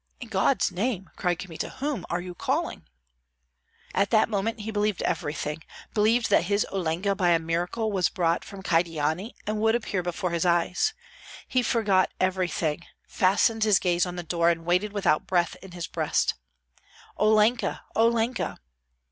"In God's name!" cried Kmita, "whom are you calling?" At that moment he believed everything, believed that his Olenka by a miracle was brought from Kyedani and would appear before his eyes. He forgot everything, fastened his gaze on the door, and waited without breath in his breast. "Olenka! Olenka!"